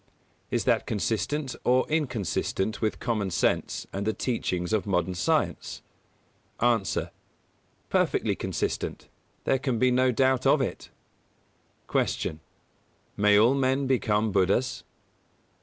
Is that consistent or inconsistent with common sense and the teachings of modern science? A. Perfectly consistent: there can be no doubt of it. 142. Q. _May all men become Buddhas?